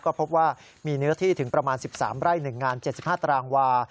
ก็พบว่ามีเนื้อที่ถึงประมาณ๑๓ไร่๑งาน๗๕ตารางวา